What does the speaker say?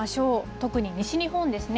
特に西日本ですね。